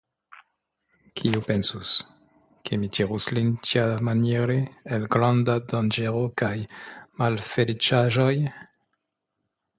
Kiu pensus, ke mi tirus lin tiamaniere el granda danĝero kaj malfeliĉaĵoj?